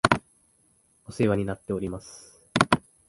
お世話になっております